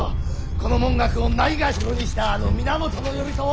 この文覚をないがしろにしたあの源頼朝